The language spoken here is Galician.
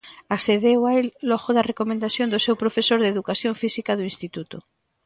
Accedeu a el logo da recomendación do seu profesor de educación física do instituto.